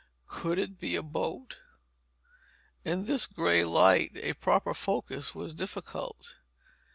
Could it be a boat? In this gray light a proper focus was difficult.